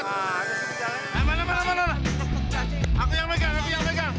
aku yang megang aku yang megang